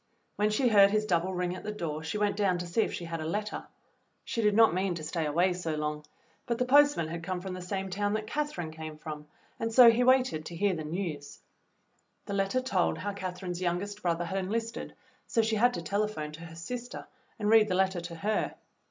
When she heard his double ring at the door she went down to see if she had a letter. She did not mean to stay away so long, but the postman had come from the same town that Catherine came from, and so he waited to hear the news; the letter told EVELYN'S WAR WORK '47 how Catherine's youngest brother had enlisted, so she had to telephone to her sister and read the letter to her.